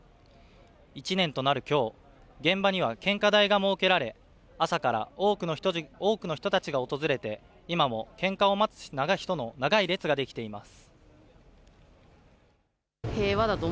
１年となるきょう現場には献花台が設けられ朝から多くの人たちが訪れて今も献花を待つ人の長い列ができています。